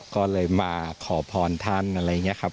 ก็เลยมาขอพรท่านอะไรอย่างนี้ครับ